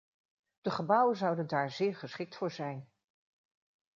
De gebouwen zouden daar zeer geschikt voor zijn.